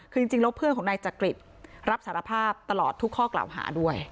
คือจริงแล้วเพื่อนของนายจักริตรับสารภาพตลอดทุกข้อกล่าวหาด้วย